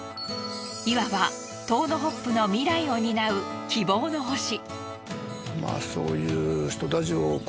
いわば遠野ホップの未来を担う希望の星。